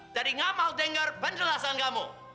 tadi gak mau denger penjelasan kamu